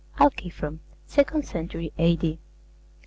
ALCIPHRON (Second Century A.D.)